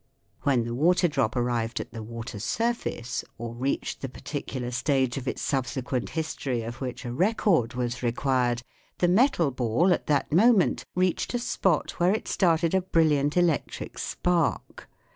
When the water drop arrived at the water surface or reached the par ticular stage of its subsequent history of which a record was required, the metal ball at that moment reached a spot where it started a brilliant electric spark.